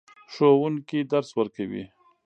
ښوونکي درس ورکوې.